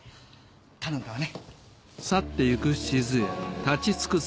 頼んだわね！